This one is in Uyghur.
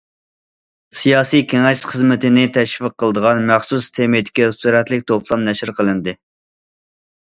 سىياسىي كېڭەش خىزمىتىنى تەشۋىق قىلىدىغان مەخسۇس تېمىدىكى سۈرەتلىك توپلام نەشر قىلىندى.